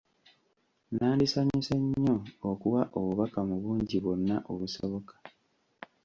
Nandisanyuse nnyo okuwa obubaka mu bungi bwonna obusoboka.